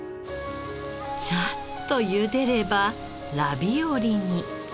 さっと茹でればラビオリに。